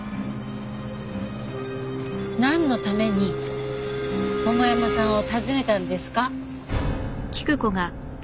なんのために桃山さんを訪ねたんですか？